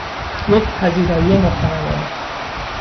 یک پذیرائی محترمانه